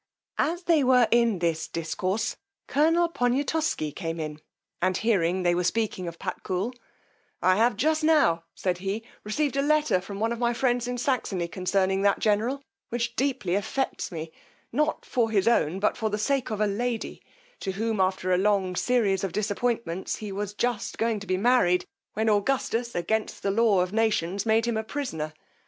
As they were in this discourse, colonel Poniatosky came in, and hearing they were speaking of Patkul, I have just now, said he, received a letter from one of my friends in Saxony concerning that general, which deeply affects me, not for his own, but for the sake of a lady, to whom, after a long series of disappointments, he was just going to be married, when Augustus, against the law of nations, made him a prisoner.